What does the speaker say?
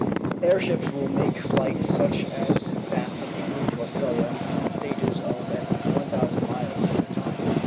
Airships will make flights such as that from England to Australia in stages of at least 1,000 miles at a time.